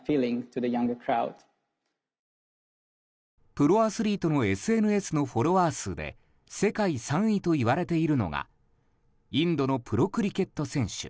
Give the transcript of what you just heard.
プロアスリートのＳＮＳのフォロワー数で世界３位といわれているのがインドのプロクリケット選手